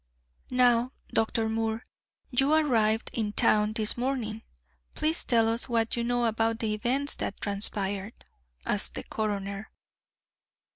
"Now, Dr. Moore, you arrived in town this morning! Please tell us what you know about the events that transpired," asked the coroner.